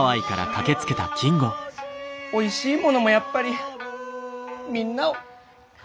おいしいものもやっぱりみんなをピース！